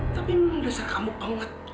tapi mendesak kamu pengecut